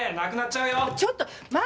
ちょっと待って！